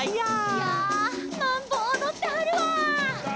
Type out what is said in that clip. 「いゃあマンボおどってはるわ」